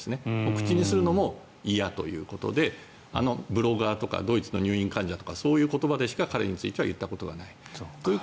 口にするのも嫌ということでブロガーとかドイツの入院患者とかそういう言葉でしか言ったことがない。